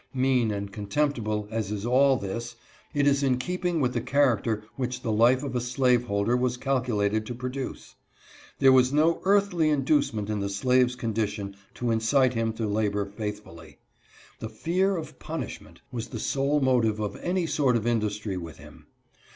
Mean and contemptible as is all this, it is in keeping with the char acter which the life of a slaveholder was calculated to produce. There was no earthly inducement in the slave's condition to incite him to labor faithfully. The fear of punishment was the sole motive of any sort of industry with him.